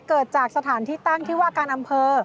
เกิดจากสถานที่ตั้งที่ว่าการอำเภอ